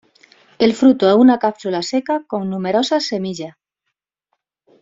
El fruto es una cápsula seca con numerosas semillas.